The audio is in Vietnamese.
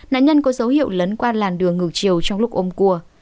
nạn nhân có dấu hiệu lấn qua làn đường ngược chiều trong lúc ôm cua